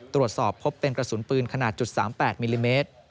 ตรวจสอบพบเป็นกระสุนปืนขนาด๓๘มิลลิเมตร